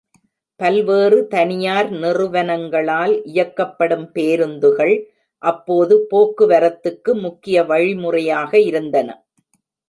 பல்வேறு தனியார் நிறுவனங்களால் இயக்கப்படும் பேருந்துகள் அப்போது போக்குவரத்துக்கு முக்கிய வழிமுறையாக இருந்தன.